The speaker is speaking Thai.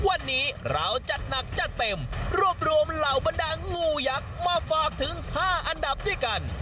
วันนี้เราจัดหนักจัดเต็มรวบรวมเหล่าบรรดางูยักษ์มาฝากถึง๕อันดับด้วยกัน